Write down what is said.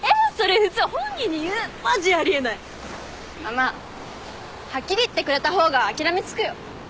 まあはっきり言ってくれた方が諦めつくよ。